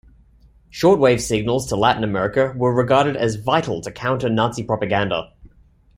Shortwave signals to Latin America were regarded as vital to counter Nazi propaganda.